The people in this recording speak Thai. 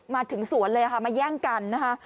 มาถึงสวนเลยค่ะมาแย่งกันนะคะ